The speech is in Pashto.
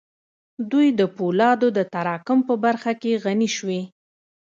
دوی د پولادو د تراکم په برخه کې غني شوې